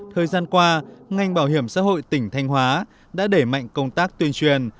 thời gian qua ngành bảo hiểm xã hội tỉnh thanh hóa đã đẩy mạnh công tác tuyên truyền